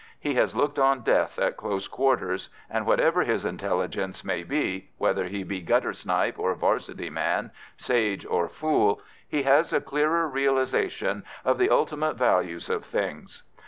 He has looked on death at close quarters, and, whatever his intelligence may be whether he be gutter snipe or 'Varsity man, sage or fool he has a clearer realisation of the ultimate values of things.